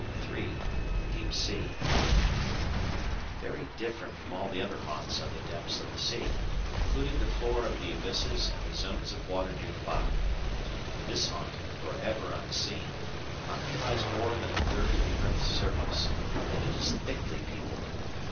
THE DEEP SEA Very different from all the other haunts are the depths of the sea, including the floor of the abysses and the zones of water near the bottom. This haunt, forever unseen, occupies more than a third of the earth's surface, and it is thickly peopled.